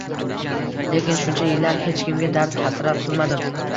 Lekin, shuncha yillar hech kimga dard-hasrat qilmadim